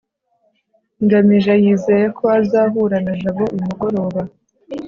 ngamije yizeye ko azahura na jabo uyu mugoroba